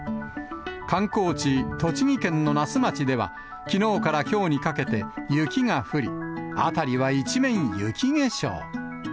観光地、栃木県の那須町では、きのうからきょうにかけて雪が降り、辺りは一面雪化粧。